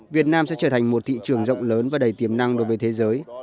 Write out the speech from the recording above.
việt nam sẽ trở thành một thị trường rộng lớn và đầy tiềm năng đối với thế giới